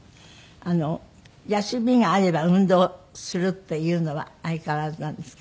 休みがあれば運動するっていうのは相変わらずなんですって？